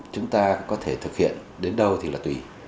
chúng ta có thể thực hiện đến đâu thì là tùy